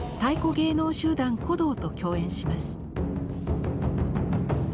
芸能集団鼓童と共演します。